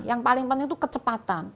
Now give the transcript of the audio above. yang paling penting itu kecepatan